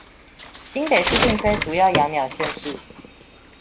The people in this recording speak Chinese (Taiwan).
新北市並非主要養鳥縣市